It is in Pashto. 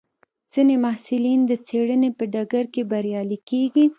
ځینې محصلین د څېړنې په ډګر کې بریالي کېږي.